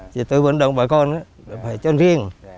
thì tôi vận động bà con phải trôn riêng